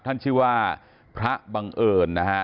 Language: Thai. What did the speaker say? ท่านชื่อว่าพระบังเอิญนะฮะ